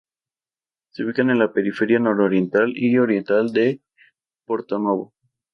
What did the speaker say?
Se ubica en la periferia nororiental y oriental de Porto Novo.